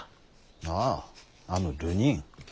あああの流人。